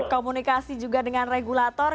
komunikasi juga dengan regulator